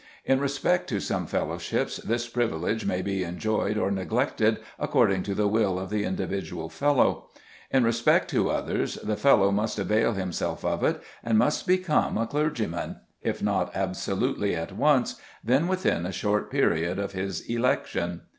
In respect to some fellowships this privilege may be enjoyed or neglected according to the will of the individual fellow. In respect to others the fellow must avail himself of it, and must become a clergyman, if not absolutely at once, then within a short period of his election.